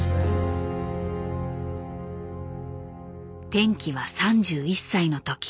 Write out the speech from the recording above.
転機は３１歳の時。